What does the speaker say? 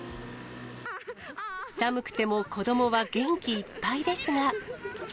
寒くても子どもは元気いっぱいですが。